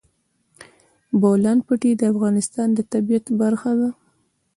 د بولان پټي د افغانستان د طبیعت برخه ده.